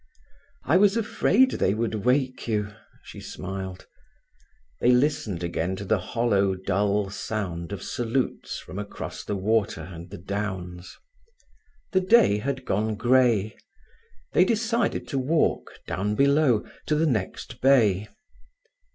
"I was afraid they would wake you," she smiled. They listened again to the hollow, dull sound of salutes from across the water and the downs. The day had gone grey. They decided to walk, down below, to the next bay.